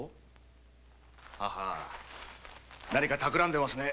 何かたくらんでいますね！？